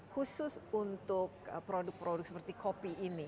khusus untuk produk produk seperti kopi ini